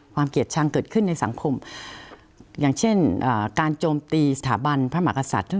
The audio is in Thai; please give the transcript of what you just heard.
เกลียดชังเกิดขึ้นในสังคมอย่างเช่นการโจมตีสถาบันพระมหากษัตริย์